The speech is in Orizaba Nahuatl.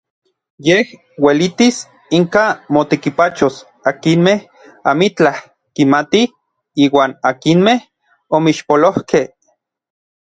Yej uelitis inka motekipachos akinmej amitlaj kimatij iuan akinmej omixpolojkej.